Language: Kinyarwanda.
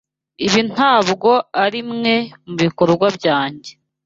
Ibi ntabwo arimwe mubikorwa byanjye.